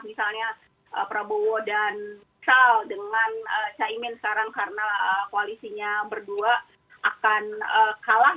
misalnya prabowo dan misal dengan caimin sekarang karena koalisinya berdua akan kalah